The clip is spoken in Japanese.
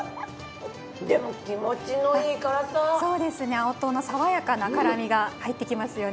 青唐の爽やかな辛味が入ってきますよね。